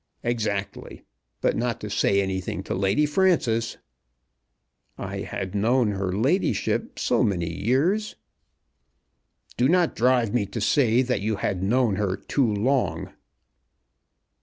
"Exactly; but not to say anything to Lady Frances." "I had known her ladyship so many years!" "Do not drive me to say that you had known her too long."